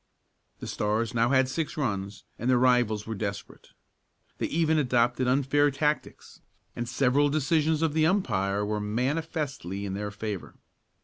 The Stars now had six runs and their rivals were desperate. They even adopted unfair tactics, and several decisions of the umpire were manifestly in their favor.